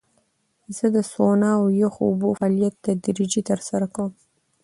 زه د سونا او یخو اوبو فعالیت تدریجي ترسره کوم.